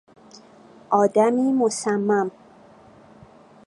آدمی مصمم